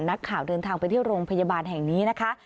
นักข่าวเดินทางไปที่โรงพยาบาลแห่งนี้นะคะ